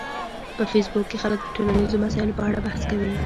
په فېسبوک کې خلک د ټولنیزو مسایلو په اړه بحث کوي